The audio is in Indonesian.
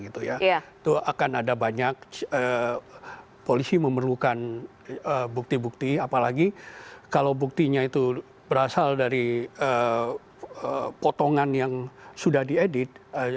itu akan ada banyak polisi memerlukan bukti bukti apalagi kalau buktinya itu berasal dari potongan yang sudah diedit